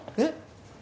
えっ？